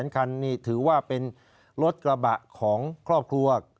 คันนี้ถือว่าเป็นรถกระบะของครอบครัว